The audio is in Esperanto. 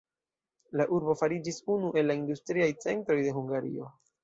La urbo fariĝis unu el la industriaj centroj de Hungario.